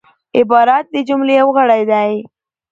عبارت د جملې یو غړی دئ.